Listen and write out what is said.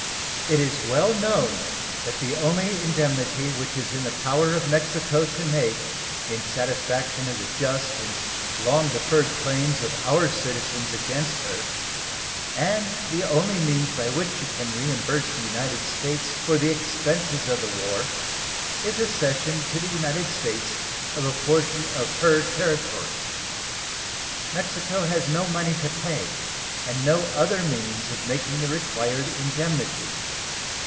It is well known that the only indemnity which it is in the power of Mexico to make in satisfaction of the just and long deferred claims of our citizens against her and the only means by which she can reimburse the United States for the expenses of the war is a cession to the United States of a portion of her territory. Mexico has no money to pay, and no other means of making the required indemnity.